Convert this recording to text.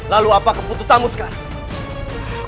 lalu apa keputusanmu sekarang